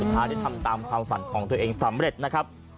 ได้ทำตามความฝันของตัวเองสำเร็จนะครับ